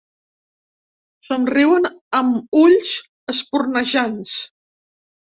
Somriuen amb ulls espurnejants.